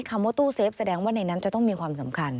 คำว่าตู้เซฟแสดงว่าในนั้นจะต้องมีความสำคัญ